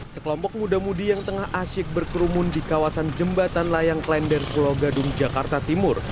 sekelompok muda mudi yang tengah asyik berkerumun di kawasan jembatan layang klender pulau gadung jakarta timur